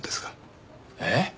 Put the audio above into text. えっ？